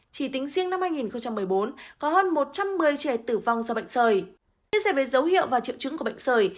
chỉ tính riêng năm hai nghìn một mươi bốn có hơn một trăm một mươi trẻ tử vong do bệnh sởi